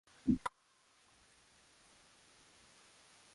ambayo pia yalisababisha watu ishirini na wawili